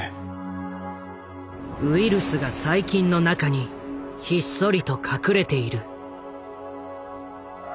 ウイルスが細菌の中にひっそりと隠れている。